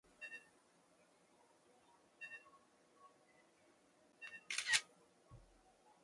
之后麦克弗森自己去往达鲁国家海洋公园进行考察。